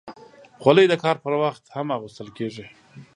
خولۍ د کار پر وخت هم اغوستل کېږي.